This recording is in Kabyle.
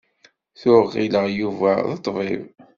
Tuɣ ɣilleɣ Yuba d ṭṭbib.